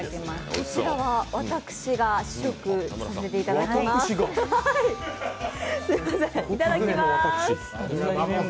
こちらは私が試食させていただきます。